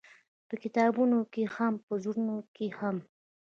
په کتابونو کښې هم او په زړونو کښې هم-